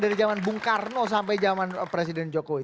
dari zaman bung karno sampai zaman presiden jokowi